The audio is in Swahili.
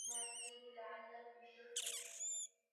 ya msitu wa Amazon nchini Peru watu wa